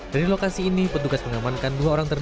dari lokasi ini petugas mengamankan dua orang